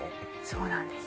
そうなんです